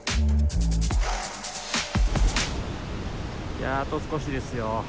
いやあと少しですよ。